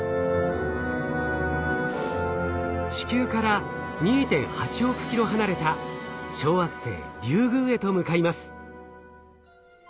地球から２．８億キロ離れた小惑星リュウグウへと向かいます。